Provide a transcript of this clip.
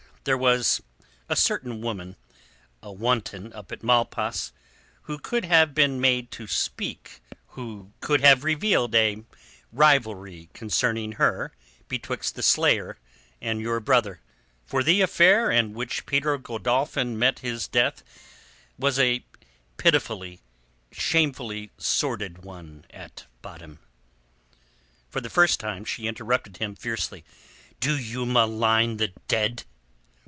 There was a certain woman—a wanton up at Malpas—who could have been made to speak, who could have revealed a rivalry concerning her betwixt the slayer and your brother. For the affair in which Peter Godolphin met his death was a pitifully, shamefully sordid one at bottom." For the first time she interrupted him, fiercely. "Do you malign the dead?"